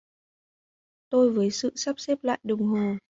Tôi với Sự sắp xếp lại đống đồ